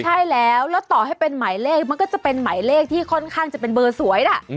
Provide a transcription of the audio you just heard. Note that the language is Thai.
ใช่แล้วแล้วต่อให้เป็นหมายเลขมันก็จะเป็นหมายเลขที่ค่อนข้างจะเป็นเบอร์สวยนะ